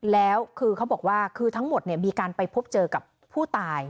แล้วคือเขาบอกว่าคือทั้งหมดมีการไปพบเจอกับผู้ตาย